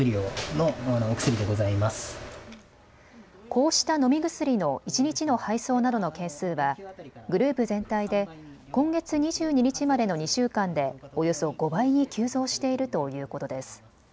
こうした飲み薬の一日の配送などの件数はグループ全体で今月２２日までの２週間でおよそ５倍に急増しているということです。